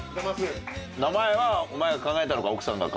名前はお前が考えたのか奥さんが考えた。